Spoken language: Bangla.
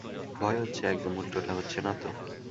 ভয় হচ্ছে, একদম উল্টোটা হচ্ছে না তো!